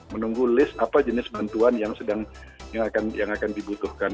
menunggu list apa jenis bantuan yang akan dibutuhkan